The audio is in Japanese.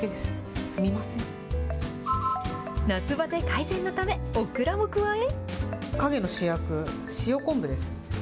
夏バテ改善のため、オクラを加え。